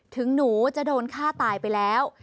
ถึงหนูจะโดนฆ่าตายไปแล้ว